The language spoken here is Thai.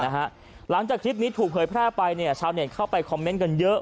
หลังจากคลิปนี้ถูกเผยแพร่ไปชาวเน็ตเข้าไปคอมเมนต์กันเยอะ